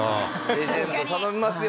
レジェンド頼みますよ。